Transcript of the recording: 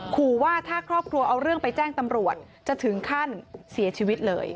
ขอว่าถ้าครอบครัวเอาเรื่องไปแจ้งตำรวจจะถึงขั้นเสียชีวิตเลย